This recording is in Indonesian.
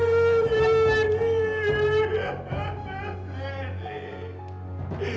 ibu bapak kenapa